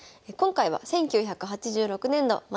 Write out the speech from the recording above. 今回は１９８６年度